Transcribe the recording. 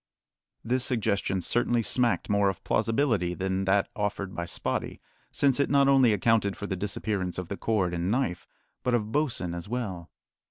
This suggestion certainly smacked more of plausibility than that offered by Spottie, since it not only accounted for the disappearance of the cord and knife, but of Bosin as well.